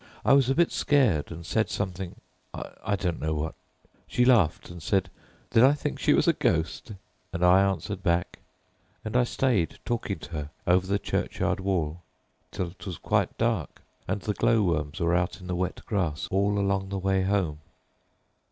I was a bit scared and said something—I don't know what—and she laughed and said, 'Did I think she was a ghost?' and I answered back, and I stayed talking to her over the churchyard wall till 'twas quite dark, and the glowworms were out in the wet grass all along the way home.